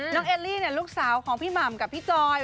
เอลลี่ลูกสาวของพี่หม่ำกับพี่จอย